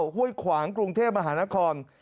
ห้วยขวางกรุงเทพมหานคร